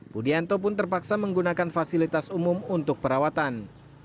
budianto pun terpaksa menggunakan fasilitas umum untuk perawatan